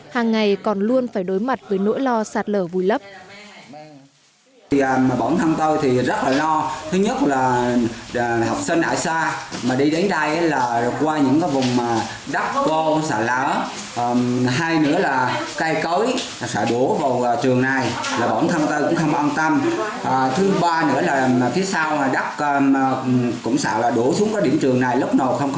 hàng ngày còn luôn phải đối mặt với nỗi lo sạt lở vùi lấp